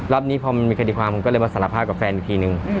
รอบนี้พอมันมีคดีความผมก็เลยมาสารภาพกับแฟนอีกทีนึง